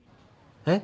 えっ？